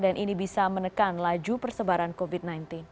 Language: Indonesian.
dan ini bisa menekan laju persebaran covid sembilan belas